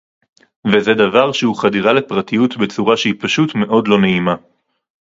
וזה דבר שהוא חדירה לפרטיות בצורה שהיא פשוט מאוד לא נעימה